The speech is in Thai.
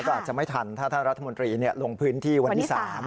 ก็อาจจะไม่ทันถ้าท่านรัฐมนตรีลงพื้นที่วันที่๓